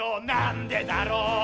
「なんでだろう」